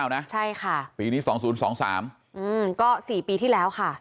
ใช่ค่ะปีนี้๒๐๒๓ก็๔ปีที่แล้วค่ะ